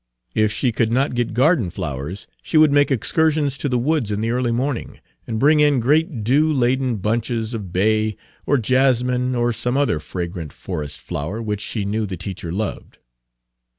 If she could not get garden flowers, she would make excursions to the woods in the early morning, and bring in great dew laden bunches of bay, or jasmine, or some other fragrant forest flower which she knew the teacher loved.